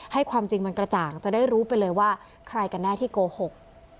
ความจริงมันกระจ่างจะได้รู้ไปเลยว่าใครกันแน่ที่โกหก